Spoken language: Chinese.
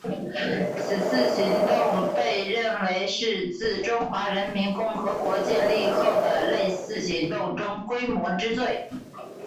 此次行动被认为是自中华人民共和国建立后的类似行动中规模之最。